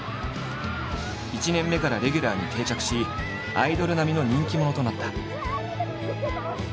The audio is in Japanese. １年目からレギュラーに定着しアイドル並みの人気者となった。